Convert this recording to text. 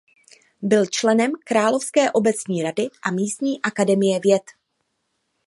Byl členem krakovské obecní rady a místní akademie věd.